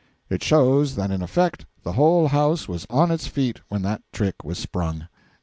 It shows that in effect the whole House was on its feet when that trick was sprung.